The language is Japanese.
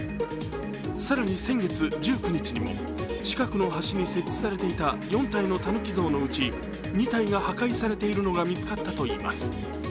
更に先月１９日にも、近くの橋に設置されていた４体のたぬき像のうち２体が破壊されているのが見つかったといいます。